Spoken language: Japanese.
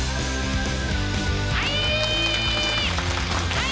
はい！